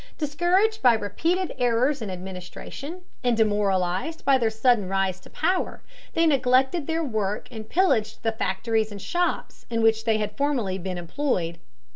Discouraged by repeated errors in administration, and demoralized by their sudden rise to power, they neglected their work and pillaged the factories and shops in which they had formerly been employed.